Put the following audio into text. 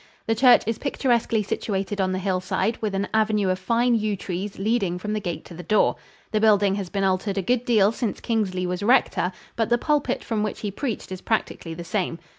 The church is picturesquely situated on the hillside, with an avenue of fine yew trees leading from the gate to the door. The building has been altered a good deal since Kingsley was rector, but the pulpit from which he preached is practically the same.